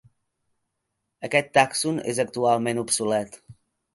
Aquest tàxon és actualment obsolet.